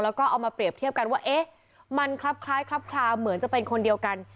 แล้วก็เอามาเปรียบเทียบกันว่าเอ๊ะมันคลับคล้ายคลับคลาวเหมือนจะเป็นคนเดียวกัน